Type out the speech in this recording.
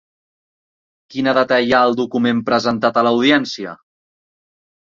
Quina data hi ha al document presentat a l'Audiència?